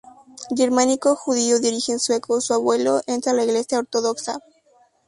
Germánico-judío de origen sueco, su abuelo entra a la iglesia ortodoxa.